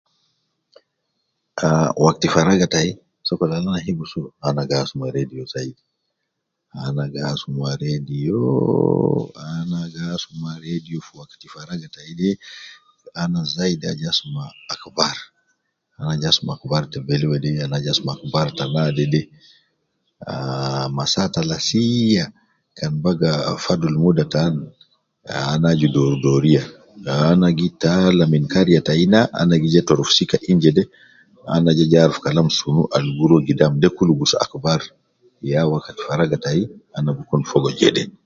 Ah Wakti farag tayi sokol al ana gi so ana gi asma radio zaid, ana gi asuma radioo ahrr ana gi asmaa radio wakti farag tayi de ana zaidi aju asuma akhbar, ana gi asma akhbar ta bele wedede ana aju asma akhbar ta naadede. Ahh ma saa ta lasiiya kan baga fadulu muda taan, ahh ana aju door doriya ana gi taala min kariya tayi naa, ana gi ja torof sija ini jede, ana gi ja arufu Kalam sunu sunu Al gu ruwa gidami, de kulu gi gusu akhbar. Ya wakti arag tayi ana gi so Fogo jede.